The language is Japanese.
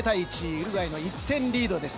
ウルグアイが１点リードです。